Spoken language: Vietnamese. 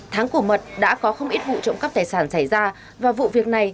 tháng cổ mật đã có không ít vụ trộm cắp tài sản xảy ra và vụ việc này